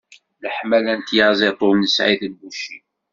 Leḥmala n tyaziḍt ur nesɛi tibbucin.